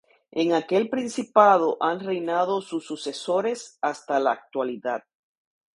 En aquel principado han reinado sus sucesores hasta la actualidad.